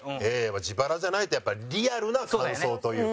まあ自腹じゃないとやっぱりリアルな感想というか。